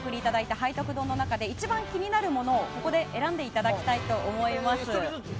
背徳丼の中で一番気になるものをここで選んでいただきたいと思います。